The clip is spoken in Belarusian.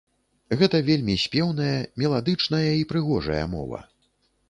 Гэта вельмі спеўная, меладычная і прыгожая мова.